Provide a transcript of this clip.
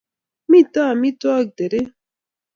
Mito amitwokik teree.